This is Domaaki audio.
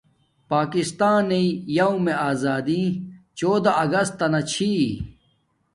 پاکستانݵ یومے آزادی چودہ اگستانا چھی